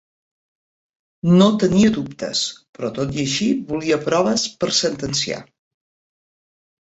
No tenia dubtes, però tot i així volia proves per sentenciar.